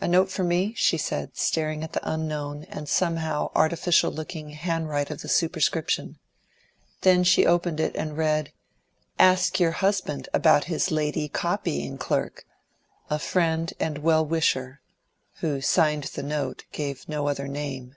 "A note for me?" she said, staring at the unknown, and somehow artificial looking, handwriting of the superscription. Then she opened it and read: "Ask your husband about his lady copying clerk. A Friend and Well wisher," who signed the note, gave no other name.